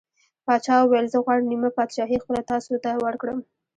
پاچا وویل: زه غواړم نیمه پادشاهي خپله تاسو ته ورکړم.